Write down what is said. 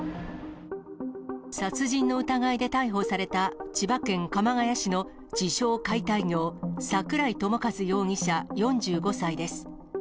殺人の疑いで逮捕された、千葉県鎌ケ谷市の自称、解体業、桜井朝和容疑者４５歳です。